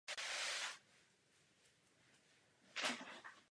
Jeho cesta do Petrohradu se podobala triumfální jízdě.